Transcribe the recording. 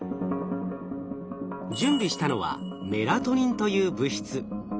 準備したのはメラトニンという物質。